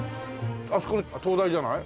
あそこ東大じゃない？